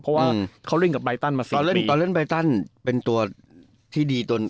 เพราะว่าเขาเล่นกับไปตั้งมา๔ปี